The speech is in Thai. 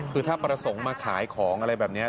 คือถ้าประสงค์มาขายของอะไรแบบนี้